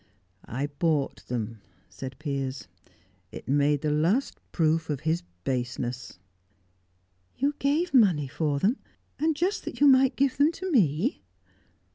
"I bought them," said Piers. "It made the last proof of his baseness." "You gave money for them? And just that you might give them to me?"